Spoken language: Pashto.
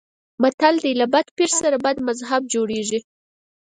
متل دی: له بد پیر سره بد مذهب جوړېږي.